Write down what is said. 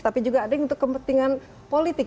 tapi juga ada yang untuk kepentingan politik